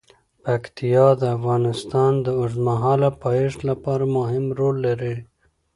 پکتیا د افغانستان د اوږدمهاله پایښت لپاره مهم رول لري.